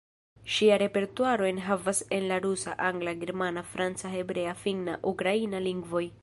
Ŝia repertuaro enhavas en la rusa, angla, germana, franca, hebrea, finna, ukraina lingvoj.